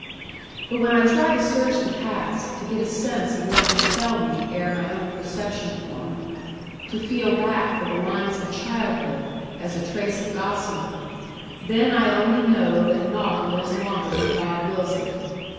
'But when I try to search the past, to get a sense of what befell me ere my own perception formed; to feel back for the lines of childhood, as a trace of gossamer, then I only know that nought lives longer than God wills it.